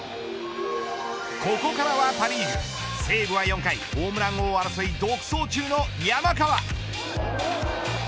ここからはパ・リーグ西武は４回ホームラン王争い独走中の山川。